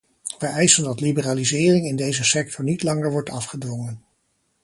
Wij eisen dat liberalisering in deze sector niet langer wordt afgedwongen.